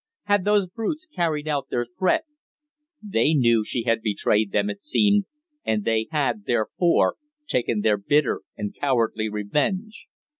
Had those brutes carried out their threat? They knew she had betrayed them, it seemed, and they had, therefore, taken their bitter and cowardly revenge.